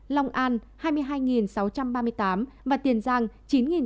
long an hai mươi hai sáu trăm ba mươi tám và tiền giang chín tám trăm bốn mươi sáu